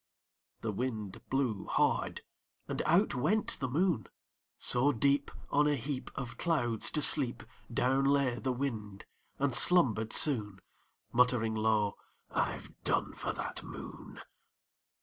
The Wind blew hard, and out went the Moon. So deep, On a heap Of clouds, to sleep, Down lay the Wind, and slumbered soon Muttering low, "I've done for that Moon."